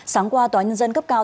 sáng qua tòa nhân dân cấp cao